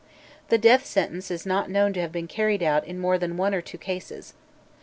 The death sentence is not known to have been carried out in more than one or two cases.